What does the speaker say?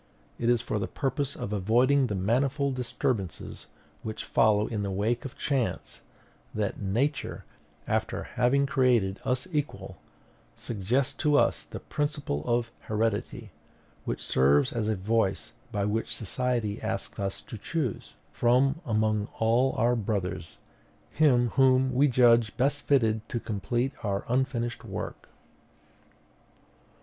It is for the purpose of avoiding the manifold disturbances which follow in the wake of chance that Nature, after having created us equal, suggests to us the principle of heredity; which serves as a voice by which society asks us to choose, from among all our brothers, him whom we judge best fitted to complete our unfinished work.